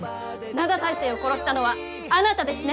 灘大聖を殺したのはあなたですね？